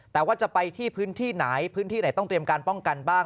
แต่ว่าจะไปที่พื้นที่ไหนพื้นที่ไหนต้องเตรียมการป้องกันบ้าง